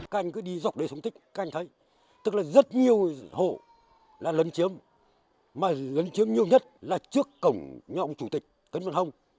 các anh thấy tức là rất nhiều hộ là lấn chiếm mà lấn chiếm nhiều nhất là trước cổng nhọng chủ tịch tấn văn hông